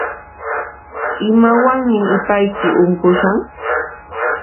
Imawanmi ipayki unqushan?